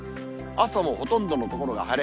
朝もほとんどの所が晴れ。